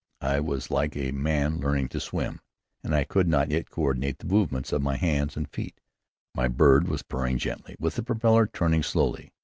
I was like a man learning to swim, and could not yet coördinate the movements of my hands and feet. My bird was purring gently, with the propeller turning slowly.